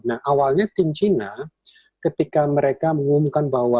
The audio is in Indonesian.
nah awalnya tim china ketika mereka mengumumkan bahwa